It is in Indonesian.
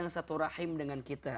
satu rahim dengan kita